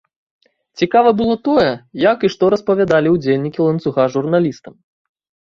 Цікава было тое, як і што распавядалі ўдзельнікі ланцуга журналістам.